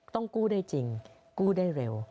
ต้องกู้ได้จริงกู้ได้เร็ว